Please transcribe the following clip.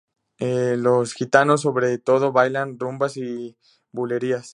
Los gitanos sobre todo bailan rumbas y bulerías.